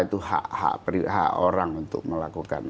itu hak hak orang untuk melakukan